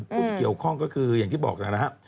พูดเกี่ยวข้องก็คืออย่างที่บอกแล้วนะฮะ